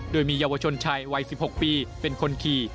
โดยมีเยาวชนชายวัย๑๖ปีเป็นคนขี่